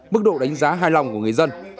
mức độ đánh giá hài lòng của người dân